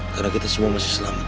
karena kita semua masih selamat